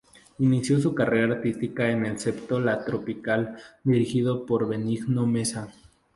Inició su carrera artística en el septeto La Tropical dirigido por Benigno Mesa.